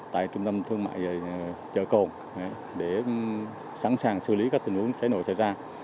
tại trung tâm thương mại chợ côn để sẵn sàng xử lý các tình huống cháy nổi xảy ra